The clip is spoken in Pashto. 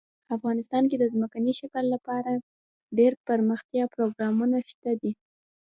افغانستان کې د ځمکني شکل لپاره پوره دپرمختیا پروګرامونه شته دي.